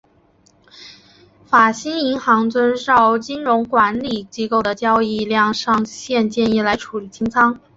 法兴银行遵照金融管理机构的交易量上限建议来处理清仓。